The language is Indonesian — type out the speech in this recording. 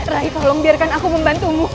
raih tolong biarkan aku membantumu